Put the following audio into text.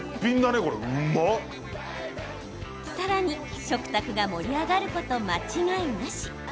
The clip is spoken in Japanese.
さらに、食卓が盛り上がること間違いなし。